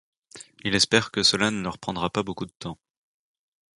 Il espère que cela ne leur prendra pas beaucoup de temps.